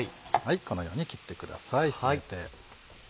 このように切ってください全て。